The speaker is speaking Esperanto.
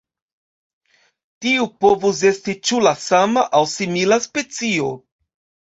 Tiu povus esti ĉu la sama aŭ simila specio.